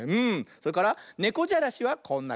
それからねこじゃらしはこんなかんじ。